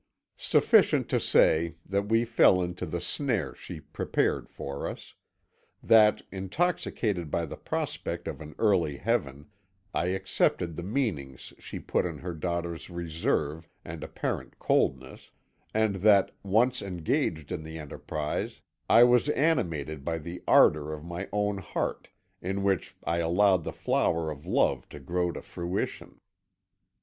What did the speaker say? Sufficient to say that we fell into the snare she prepared for us; that, intoxicated by the prospect of an earthly heaven, I accepted the meanings she put on her daughter's reserve and apparent coldness, and that, once engaged in the enterprise, I was animated by the ardour of my own heart, in which I allowed the flower of love to grow to fruition.